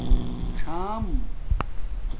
څام